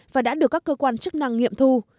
và đã được các cơ quan chức năng nghiệm thu